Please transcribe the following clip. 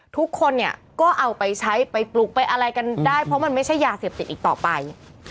ทุกคนเนี่ยก็เอาไปใช้ไปปลุกไปอะไรกันได้เพราะมันไม่ใช่ยาเสพติดอีกต่อไป